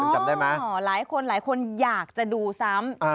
อ๋อหลายคนอยากจะดูซ้ำ